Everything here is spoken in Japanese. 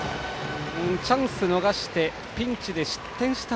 チャンス逃してピンチで失点した